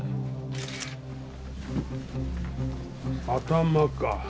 頭か。